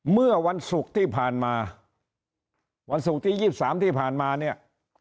เมื่อวันศุกร์ที่ผ่านมาวันศุกร์ที่๒๓ที่ผ่านมาเนี่ย